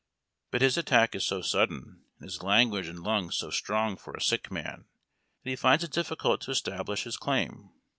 But his attack is so sudden, and his language and lungs so strong for a sick man, that he finds it difficult to establish his claim.